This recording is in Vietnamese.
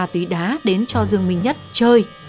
và ma túy đá đến cho dương minh nhất chơi